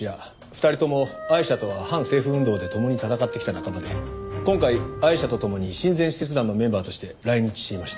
２人ともアイシャとは反政府運動で共に闘ってきた仲間で今回アイシャと共に親善使節団のメンバーとして来日していました。